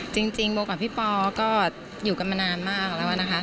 จริงโบกับพี่ปอก็อยู่กันมานานมากแล้วนะคะ